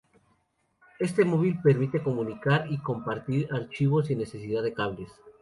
Este móvil permite comunicar y compartir archivos sin necesidad de cables.